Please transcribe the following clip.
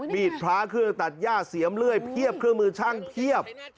พระเครื่องตัดย่าเสียมเลื่อยเพียบเครื่องมือช่างเพียบ